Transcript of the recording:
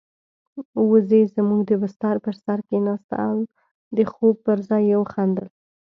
وزې زموږ د بستر پر سر کېناسته او د خوب پر ځای يې وخندل.